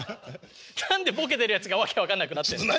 何でボケてるやつが訳分かんなくなってんの。